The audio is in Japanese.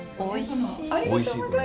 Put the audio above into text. おいしい。